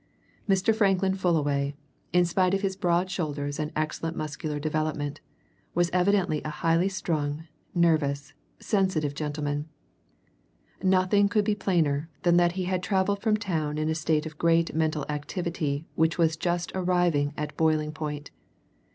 Mr. Franklin Fullaway, in spite of his broad shoulders and excellent muscular development, was evidently a highly strung, nervous, sensitive gentleman; nothing could be plainer than that he had travelled from town in a state of great mental activity which was just arriving at boiling point.